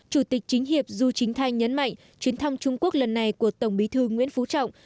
chủ tịch chính hiệp du chính thanh nhấn mạnh chuyến thăm trung quốc lần này của tổng bí thư nguyễn phú trọng